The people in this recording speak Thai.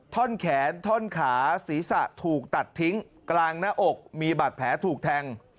ท่อนแขนท่อนขาศีรษะถูกตัดทิ้งกลางหน้าอกมีบาดแผลถูกแทง